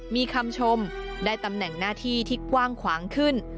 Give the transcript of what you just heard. มีคำชมได้ตำแหน่งหน้าที่ที่กว้างขวางขึ้น